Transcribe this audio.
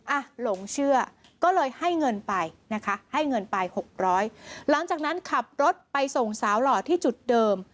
หลงเชื่อก็เลยให้เงินไปนะคะให้เงินไปหกร้อยหลังจากนั้นขับรถไปส่งสาวหล่อที่จุดเดิม